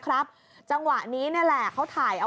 รับทรุปวิทยุ